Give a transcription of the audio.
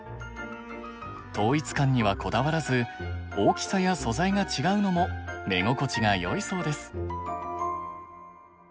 統一感にはこだわらず大きさや素材が違うのも目心地がよいそうです。